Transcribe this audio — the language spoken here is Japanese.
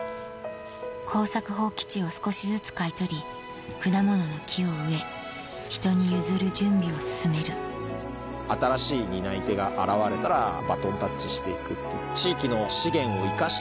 耕作放棄地を少しずつ買い取り果物の木を植え人に譲る準備を進める新しい担い手が現れたらバトンタッチしていくっていう。